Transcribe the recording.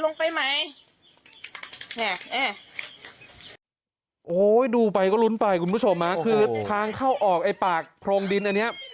โอ้โหดูไปก็ลุ้นไปคุณผู้ชมฮะคือทางเข้าออกไอ้ปากโพรงดินอันเนี้ย